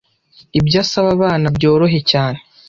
ibyo asaba abana byorohe cyane